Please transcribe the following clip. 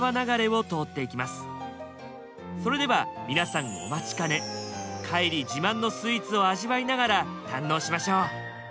それでは皆さんお待ちかね海里自慢のスイーツを味わいながら堪能しましょう。